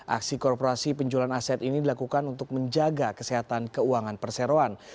aksi korporasi penjualan aset ini dilakukan untuk menjaga kesehatan keuangan perseroan